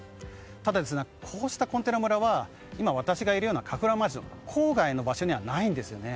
ただ、こうしたコンテナ村は今、私がいるようなカフラマンマラシュの郊外の場所にはないんですね。